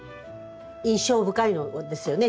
印象深いのですよね